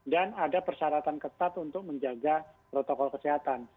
ada persyaratan ketat untuk menjaga protokol kesehatan